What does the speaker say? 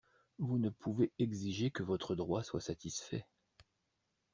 Vous ne pouvez exiger que votre droit soit satisfait.